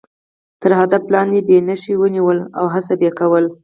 تر هدف لاندې به مې نښه ونیوله او هڅه به مې کوله.